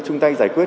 chung tay giải quyết